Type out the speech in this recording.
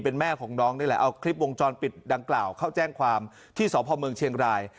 เป็นแม่ของน้องนี่แหละเอาคลิปวงจรปิดดังกล่าวเข้าแจ้งความที่สพเมืองเชียงราย